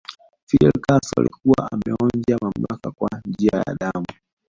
Fidel Castro alikuwa ameonja mamlaka kwa njia ya damu